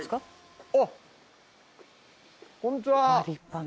あっこんにちは。